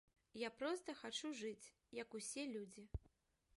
Я проста хачу жыць, як усе людзі.